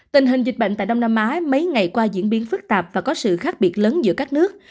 tình hình dịch bệnh tại đông nam á mấy ngày qua diễn biến phức tạp và có sự khác biệt lớn giữa các nước